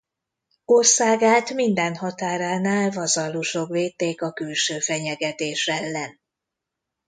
Országát minden határánál vazallusok védték a külső fenyegetés ellen.